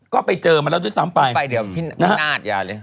ก็ไปเจอมาแล้วด้วยซ้ำไปเดี๋ยวนะฮะอย่าเลย